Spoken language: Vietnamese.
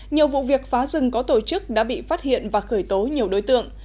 nhiều vụ việc phá rừng có tổ chức đã bị phát hiện và khởi tố nhiều đối tượng